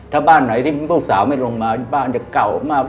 ถ้าบ้านไหนที่ลูกสาวไม่ลงมาบ้านจะเก่ามาก